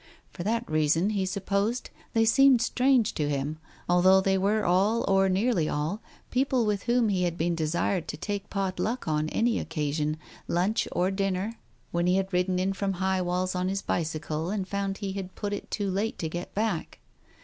For that reason, he supposed, they seemed strange to him, although they were all or nearly all, people with whom he had been desired to take pot luck on any occasion, lunch, or dinner, when Digitized by Google THE TIGER SKIN 287 he had ridden in from High Walls on his bicycle and found he had put it too late to get back.